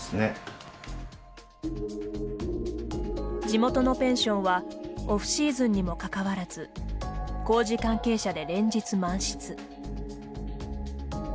地元のペンションはオフシーズンにもかかわらず工事関係者で連日満室。